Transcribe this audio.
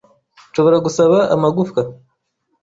nshobora gusaba amagufwa